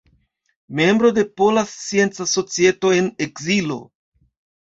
Membro de Pola Scienca Societo en Ekzilo.